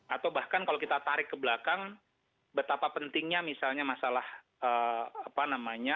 atau bahkan kalau kita tarik ke belakang betapa pentingnya misalnya masalah apa namanya